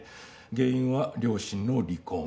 原因は両親の離婚。